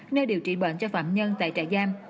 nơi điều trị bệnh cho phạm nhân tại trại giam